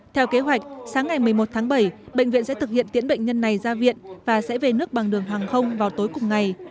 theo kế hoạch sáng ngày một mươi một tháng bảy bệnh viện sẽ thực hiện tiễn bệnh nhân này ra viện và sẽ về nước bằng đường hàng không vào tối cùng ngày